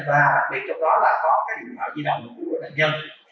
và đặc biệt trong đó là có cái biện pháp di động của nhân dân